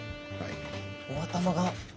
お頭が。